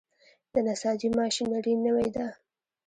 د نساجي ماشینري نوې ده؟